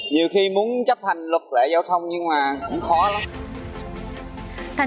nhiều khi muốn chấp hành luật lệ giao thông nhưng mà cũng khó lắm